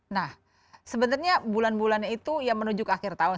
nah sebenarnya bulan bulannya itu ya menuju ke akhir tahun